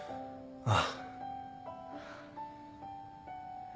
ああ。